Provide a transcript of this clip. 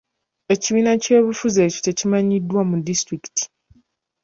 Ekibiina ky'ebyobufuzi ekyo tekimanyiddwa mu disitulikiti .